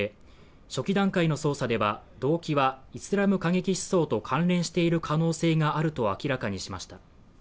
初期段階の捜査では動機はイスラム過激思想と関連している可能性があると明らかにしました。